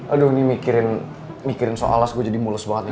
aduh ini mikirin soal mas gue jadi mulus banget nih